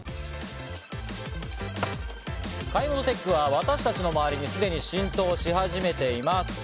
買い物テックは私たちの周りにすでに浸透し始めています。